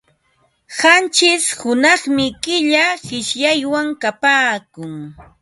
Qanchish hunaqmi killa qishyaywan kapaakun.